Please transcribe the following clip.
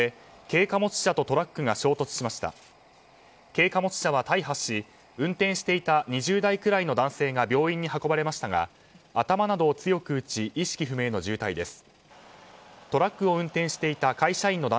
軽貨物車は大破し、運転していた２０代くらいの男性が病院に運ばれましたが頭などを強く打ち意識不明の重体です。